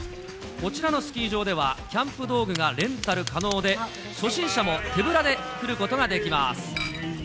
こちらのスキー場では、キャンプ道具がレンタル可能で、初心者も手ぶらで来ることができます。